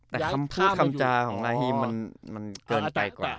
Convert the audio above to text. แต่คำพูดคำจาของลาฮีมันเกินไปกว่า